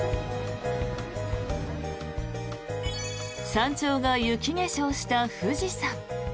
山頂が雪化粧した富士山。